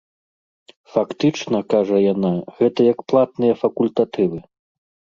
Фактычна, кажа яна, гэта як платныя факультатывы.